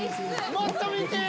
もっと見てー！